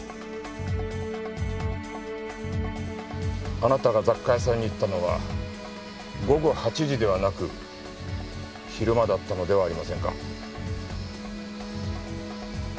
あなたが雑貨屋さんに行ったのは午後８時ではなく昼間だったのではありませんか？